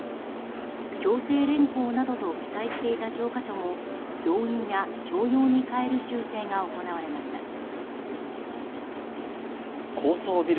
強制連行などと記載していた教科書も動員や徴用に変える修正が行われました。